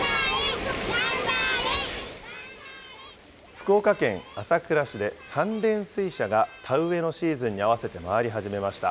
福岡県朝倉市で、三連水車が田植えのシーズンに合わせて回り始めました。